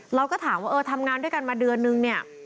เราก็ถามว่าทำงานด้วยกันมาเดือนนึง